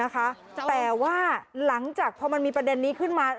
แต่ว่าหลังจากพอมันมีประเด็นนี้ขึ้นมา